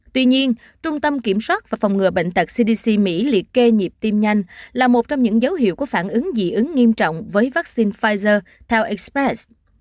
tuy nhiên trung tâm kiểm soát và phòng ngừa bệnh tật cdc mỹ liệt kê nhịp tim nhanh là một trong những dấu hiệu của phản ứng dị ứng nghiêm trọng với vaccine pfizer theo express